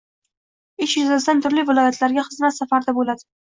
ish yuzasidan turli viloyatlarda xizmat safarida bo‘ladi.